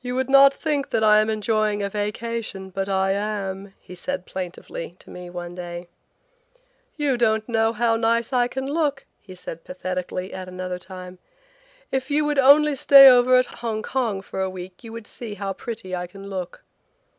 "You would not think that I am enjoying a vacation, but I am," he said plaintively to me one day. "You don't know how nice I can look," he said pathetically at another time. "If you would only stay over at Hong Kong for a week you would see how pretty I can look."